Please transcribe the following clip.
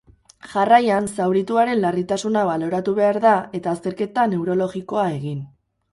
Jarraian, zaurituaren larritasuna baloratu behar da, eta azterketa neurologikoa egin.